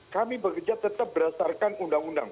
kami bekerja tetap berdasarkan undang undang